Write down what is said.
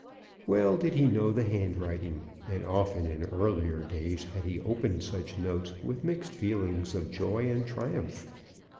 Well did he know the handwriting, and often in earlier days had he opened such notes with mixed feelings of joy and triumph.